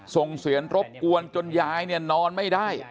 ส่งเสียงรบกวนจนยายเนี่ยนอนไม่ได้